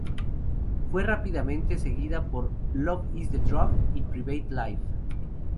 Fue rápidamente seguida por "Love is the Drug" y "Private Life".